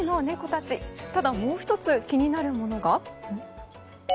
ただ、もう１つ気になるものが？